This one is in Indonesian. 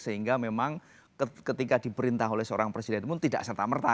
sehingga memang ketika diperintah oleh seorang presiden pun tidak serta merta